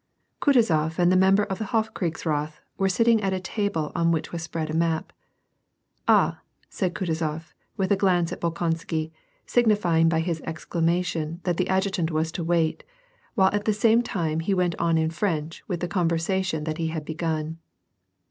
Kutuzof and the member of the Hof kriegsrath were sitting at a table on which was spread a map. " Ah," said Kutuzof, with a glance at Bolkonsky, signifying by this exclamation that the adjutant was to wait, while at the same time he went on in French with the conversation that he had begun.